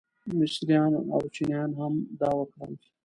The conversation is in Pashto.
مصریان او چینیان هم دا وکړل.